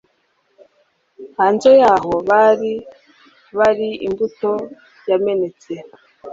Hanze yaho bari bari imbuto yamenetse